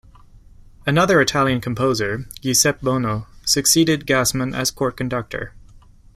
Another Italian composer, Giuseppe Bonno, succeeded Gassmann as court conductor.